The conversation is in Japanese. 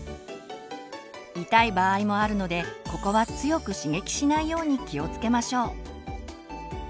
痛い場合もあるのでここは強く刺激しないように気をつけましょう。